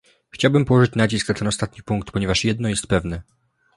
Chciałbym położyć nacisk na ten ostatni punkt, ponieważ jedno jest pewne